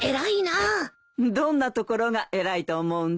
どんなところが偉いと思うんだい？